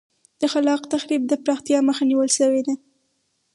د خلاق تخریب د پراختیا مخه نیول شوې ده.